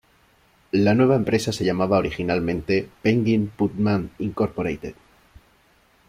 La nueva empresa se llamaba originalmente Penguin Putnam Inc.